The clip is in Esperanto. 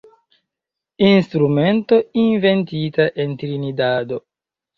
Instrumento inventita en Trinidado.